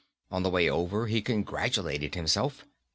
On the way over, he congratulated himself.